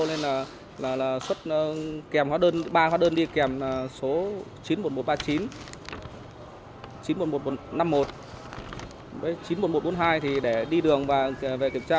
nên là xuất kèm hoa đơn ba hoa đơn đi kèm số chín mươi một nghìn một trăm ba mươi chín chín mươi một nghìn một trăm năm mươi một chín mươi một nghìn một trăm bốn mươi hai thì để đi đường và về kiểm tra